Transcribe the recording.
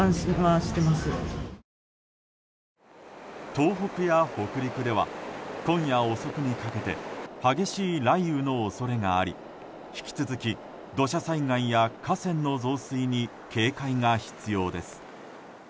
東北や北陸では今夜遅くにかけて激しい雷雨の恐れがあり引き続き、土砂災害や河川の増水に警戒が必要です。